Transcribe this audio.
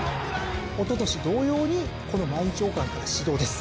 おととし同様にこの毎日王冠から始動です。